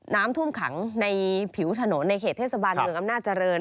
น้ำท่วมขังในผิวถนนในเขตเทศบาลเมืองอำนาจเจริญ